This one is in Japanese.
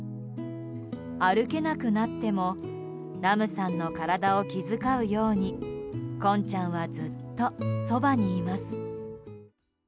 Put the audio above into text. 歩けなくなってもラムさんの体を気遣うようにコンちゃんはずっとそばにいます。